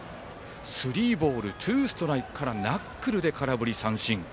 スリーボールツーストライクからナックルで空振り三振。